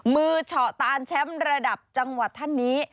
เฉาะตานแชมป์ระดับจังหวัดท่านนี้